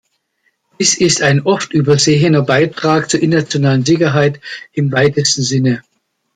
Dies ist ein oft übersehener Beitrag zur internationalen Sicherheit im weitesten Sinne.